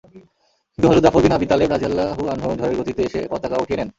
কিন্তু হযরত Jafar bin Abi Talib রাযিয়াল্লাহু আনহু ঝড়ের গতিতে এসে পতাকা উঠিয়ে নেন।